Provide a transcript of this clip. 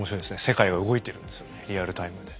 世界は動いてるんですよねリアルタイムで。